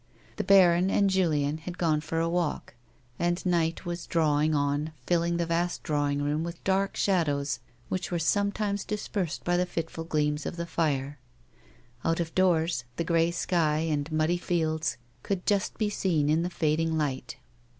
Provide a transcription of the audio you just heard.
The baron and Julien had gone for a walk, and night was drawing on filling the va^t drawing room with dark shadows which were sometimes dis persed by the fitful gleams of the fire ; out of doors the grey sky and muddy fields could just be seen in the fading light.